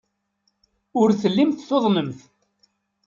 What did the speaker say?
Ur tellimt tuḍnemt.